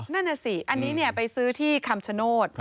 นั่นน่ะสิอันนี้ไปซื้อที่คำชโนธ